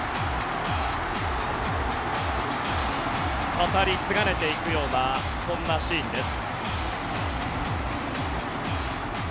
語り継がれていくようなそんなシーンです。